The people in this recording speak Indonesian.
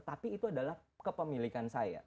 tapi itu adalah kepemilikan saya